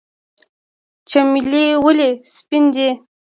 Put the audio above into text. چمیلی ولې سپین دی؟